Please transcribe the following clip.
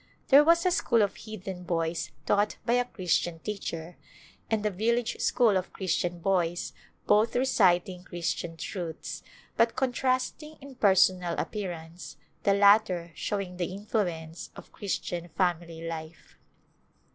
There was a school of heathen boys taught by a Christian teacher, and a village school of Christian boys, both reciting Christian truths, but contrasting in personal appear ance, the latter showing the influence of Christian family life.